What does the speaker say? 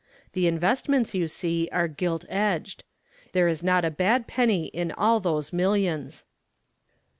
The investments, you see, are gilt edged. There is not a bad penny in all those millions."